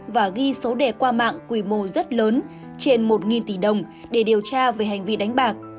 và ghi số đề qua mạng quy mô rất lớn trên một tỷ đồng để điều tra về hành vi đánh bạc